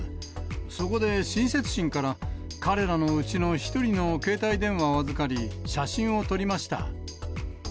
そこで親切心から、彼らのうちの１人の携帯電話を預かり、写真を撮りました。